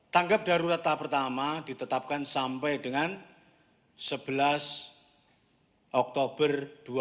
tanggap darurat tahap pertama ditetapkan sampai dengan sebelas oktober dua ribu dua puluh